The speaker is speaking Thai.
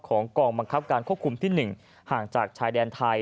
กองบังคับการควบคุมที่๑ห่างจากชายแดนไทย